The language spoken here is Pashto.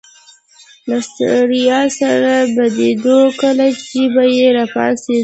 له ستړیا سره بیدېدو، کله چي به یو راپاڅېد.